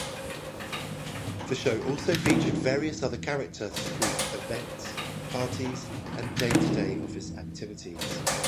The show also featured various other characters through events, parties and day-to-day office activities.